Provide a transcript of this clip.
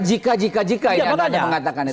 jika jika jika ini yang ada mengatakan itu